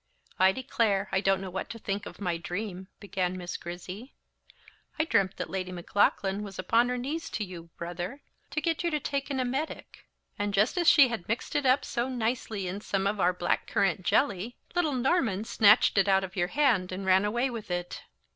"I declare I don't know what to think of my dream," began Miss Grizzy. "I dreamt that Lady Maclaughlan was upon her knees to you, brother, to get you to take an emetic; and just as she had mixed it up so nicely in some of our black currant jelly, little Norman snatched it out of your hand and ran away with it."